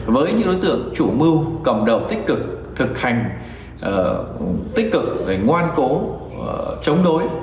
với những đối tượng chủ mưu cầm đầu tích cực thực hành tích cực ngoan cố chống đối